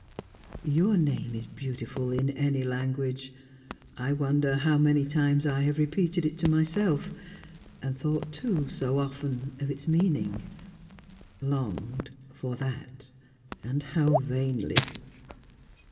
"Your name is beautiful in any language. I wonder how many times I have repeated it to myself? And thought, too, so often of its meaning; longed, for that and how vainly!"